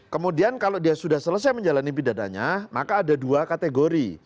kemudian kalau dia sudah selesai menjalani pidananya maka ada dua kategori